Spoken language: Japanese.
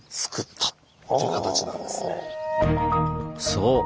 そう！